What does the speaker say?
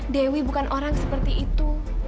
dewi bukan orang seperti itu